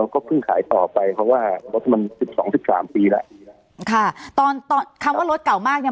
ก็เพิ่งขายต่อไปเพราะว่ารถมันสิบสองสิบสามปีแล้วค่ะตอนตอนคำว่ารถเก่ามากเนี้ย